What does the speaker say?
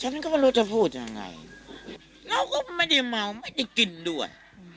ฉันก็ไม่รู้จะพูดยังไงเราก็ไม่ได้เมาไม่ได้กินด้วย